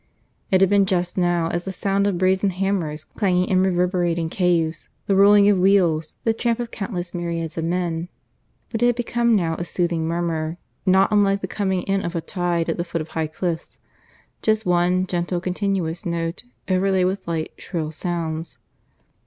It had been just now as the sound of brazen hammers clanging in reverberating caves, the rolling of wheels, the tramp of countless myriads of men. But it had become now a soothing murmur, not unlike the coming in of a tide at the foot of high cliffs just one gentle continuous note, overlaid with light, shrill sounds.